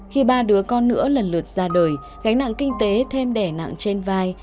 khi ba đứa con nữa lần lượt ra đời gánh nặng kinh tế thêm đẻ nặng trên vai